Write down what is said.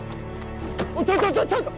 ちょちょちょちょっと！